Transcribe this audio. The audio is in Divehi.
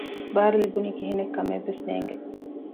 ބާރު ލިބުނީ ކިހިނެތް ކަމެއް ވެސް ނޭނގެ